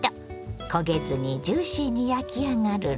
焦げずにジューシーに焼き上がるの。